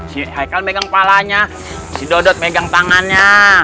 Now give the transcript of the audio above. si haikal megang palanya si dodot megang tangannya